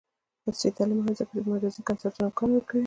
عصري تعلیم مهم دی ځکه چې د مجازی کنسرټونو امکان ورکوي.